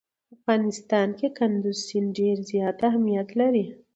په افغانستان کې کندز سیند ډېر زیات اهمیت لري.